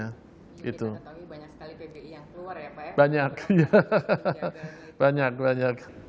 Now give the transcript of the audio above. kita ketahui banyak sekali pbi yang keluar ya pak ya banyak